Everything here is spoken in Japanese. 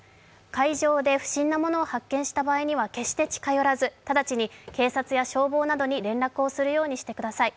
海上で不審なものを発見した場合には決して近寄らず、直ちに警察や消防などに連絡するようにしてください。